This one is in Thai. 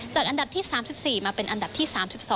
อันดับที่๓๔มาเป็นอันดับที่๓๒